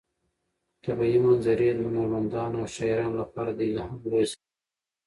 طبیعي منظرې د هنرمندانو او شاعرانو لپاره د الهام لویه سرچینه ده.